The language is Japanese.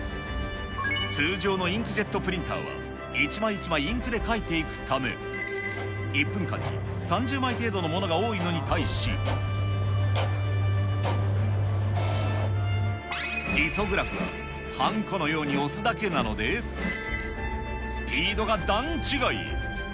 通常のインクジェットプリンターは、一枚一枚インクで書いていくため、１分間に３０枚程度のものが多いのに対し、リソグラフは、はんこのように押すだけなので、スピードが段違い。